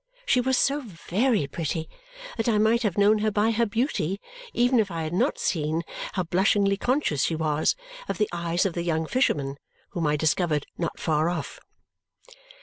She was so very pretty that I might have known her by her beauty even if I had not seen how blushingly conscious she was of the eyes of the young fisherman, whom I discovered not far off.